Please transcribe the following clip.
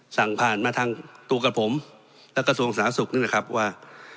สั่งผ่านมาทางตัวกับผมและกระทรวงสาธารณสุขนี่นะครับว่า